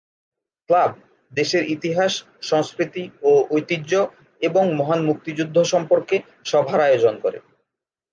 Club দেশের ইতিহাস, সংস্কৃতি ও ঐতিহ্য এবং মহান মুক্তিযুদ্ধ সম্পর্কে সভার আয়োজন করে।